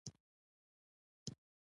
• واده د زړونو ترمنځ محبت زیاتوي.